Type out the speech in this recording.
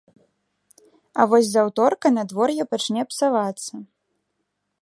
А вось з аўторка надвор'е пачне псавацца.